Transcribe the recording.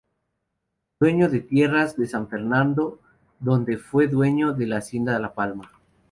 Dueño de tierras en San Fernando, donde fue dueño de la Hacienda La Palma.